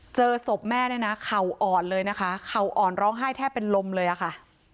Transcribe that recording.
เจอศพแม่เนี่ยนะเข่าอ่อนเลยนะคะเข่าอ่อนร้องไห้แทบเป็นลมเลยอะค่ะ